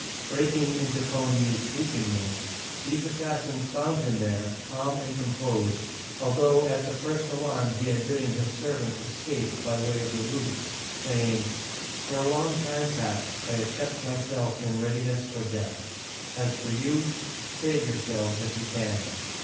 Breaking into Coligny's sleeping room, these assassins found him there, calm and composed, although at the first alarm he had bidden his servants escape by way of the roofs, saying :" For a long time past I have kept myself in readiness for death. As for you, save yourselves if you can